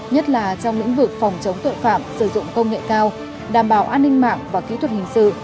nhất là trong lĩnh vực phòng chống tội phạm sử dụng công nghệ cao đảm bảo an ninh mạng và kỹ thuật hình sự